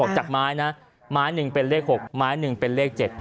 จากไม้นะไม้หนึ่งเป็นเลข๖ไม้๑เป็นเลข๗